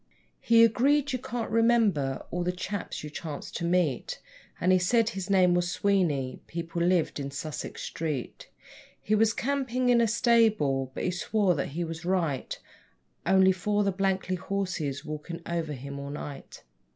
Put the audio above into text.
He agreed: 'Yer can't remember all the chaps yer chance to meet,' And he said his name was Sweeney people lived in Sussex street. He was campin' in a stable, but he swore that he was right, 'Only for the blanky horses walkin' over him all night.'